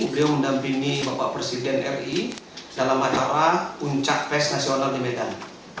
beliau mendampingi bapak presiden ri dalam acara puncak pres nasional di medan